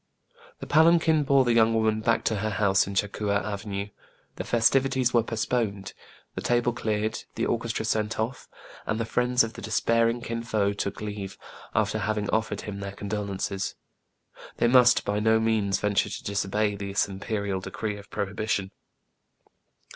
" The palanquin bore the young woman back to her house in Cha Coua Avenue ; the festivities were postponed, the tables cleared, the orchestra sent off ; and the friends of the despairing Kin Fo took leave, after having offered him their con dolences. They must, by no means, venture to disobey this imperial decree of prohibition.